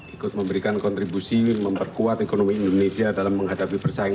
ikut memberikan kontribusi memperkuat ekonomi indonesia dalam menghadapi persaingan